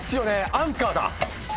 アンカーだ。